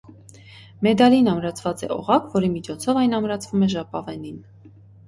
Մեդալին ամրացված է օղակ որի միջոցով այն ամրացվում է ժապավենին։